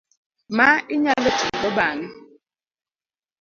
ma inyalo tigo bang'e